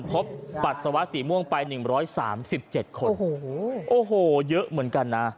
พบปรัสสาวะสีม่วงไปหนึ่งร้อยสามสิบเจ็ดคนโอ้โหโอ้โหเยอะเหมือนกันน่ะ